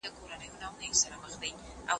باید د قانون حاکمیت ته درناوی وسي.